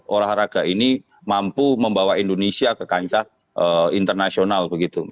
olahraga ini mampu membawa indonesia ke kancah internasional begitu